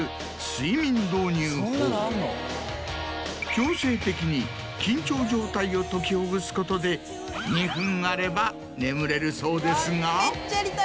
強制的に緊張状態を解きほぐすことで２分あれば眠れるそうですが。